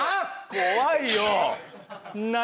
怖いよ。